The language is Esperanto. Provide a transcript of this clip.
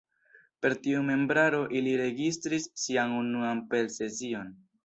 Per tiu membraro ili la registris sian unuan Peel-sesion.